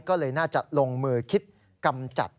ก็เลยน่าจะลงมือคิดกำจัด